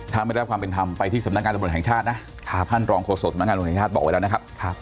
ถ้าไม่ได้รับความเป็นธรรมไปที่สำนักงานตำรวจแห่งชาตินะท่านรองโฆษกสำนักงานตำรวจแห่งชาติบอกไว้แล้วนะครับ